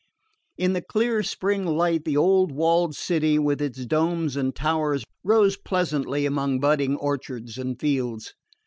In the clear spring light the old walled city, with its domes and towers, rose pleasantly among budding orchards and fields.